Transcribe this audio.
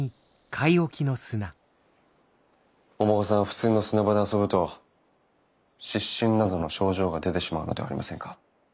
普通の砂場で遊ぶと湿疹などの症状が出てしまうのではありませんか？